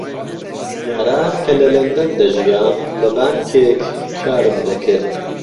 جاران کە لە لەندەن دەژیام لە بانکێک کارم دەکرد.